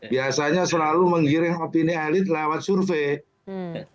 biasanya selalu menggiring opini elit lewat survei